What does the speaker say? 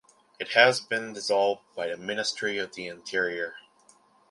It has been dissolved by the Ministry of the Interior.